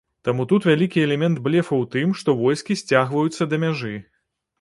Таму тут вялікі элемент блефу ў тым, што войскі сцягваюцца да мяжы.